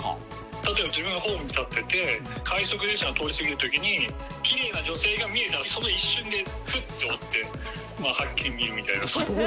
例えば自分がホームに立ってて、快速列車が通り過ぎるときに、きれいな女性が見えたら、その一瞬でふって追って、はっきり見るみたいな。